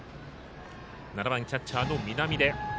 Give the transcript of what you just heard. バッター７番キャッチャーの南出。